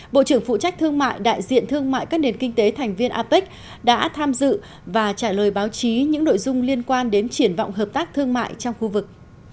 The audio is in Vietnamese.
bộ trưởng phụ trách thương mại đại diện thương mại các nền kinh tế thành viên apec đã tham dự và trả lời báo chí những nội dung liên quan đến triển vọng hợp tác thương mại trong khu vực